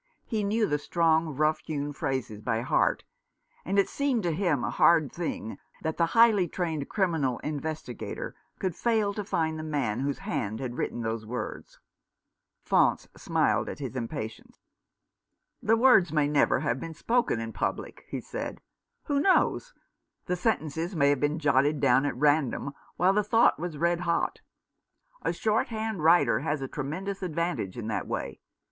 He knew the strong, rough hewn phrases by heart ; and it seemed to him a hard thing that the highly trained criminal investigator could fail to find the man whose hand had written those words. Faunce smiled at his impatience. "The words may never have been spoken in public," he said. " Who knows ? The sentences may have been jotted down at random, while the thought was red hot. A short hand writer has a tremendous advantage in that way.